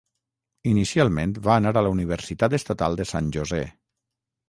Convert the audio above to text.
Inicialment va anar a la Universitat Estatal de San José.